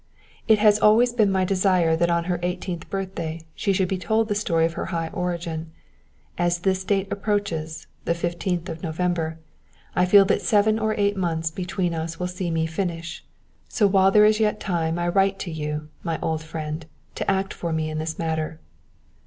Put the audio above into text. It has always been my desire that on her eighteenth birthday she should be told the story of her high origin. As this date approaches the_ 15_th of November I feel that the seven or eight months between us will see my finish, so while there is yet time I write to you, my old friend, to act for me in this matter.